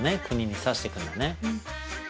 国に刺していくんだね